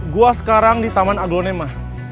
gua sekarang di taman aglonema